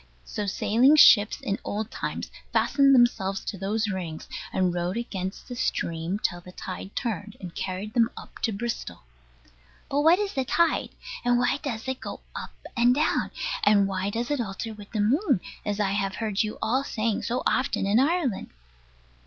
So sailing ships, in old times, fastened themselves to those rings, and rode against the stream till the tide turned, and carried them up to Bristol. But what is the tide? And why does it go up and down? And why does it alter with the moon, as I heard you all saying so often in Ireland?